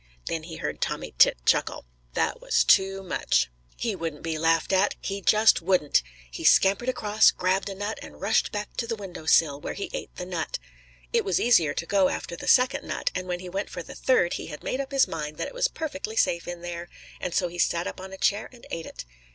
Then he heard Tommy Tit chuckle. That was too much. He wouldn't be laughed at. He just wouldn't. He scampered across, grabbed a nut, and rushed back to the window sill, where he ate the nut. It was easier to go after the second nut, and when he went for the third, he had made up his mind that it was perfectly safe in there, and so he sat up on a chair and ate it.